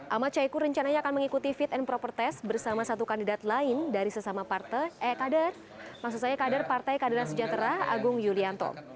ahmad syaiku rencananya akan mengikuti fit and proper test bersama satu kandidat lain dari sesama partai eh kader maksud saya kader partai keadilan sejahtera agung yulianto